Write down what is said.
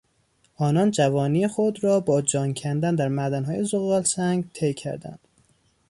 آنان جوانی خود را با جان کندن در معدنهای زغالسنگ طی کردند.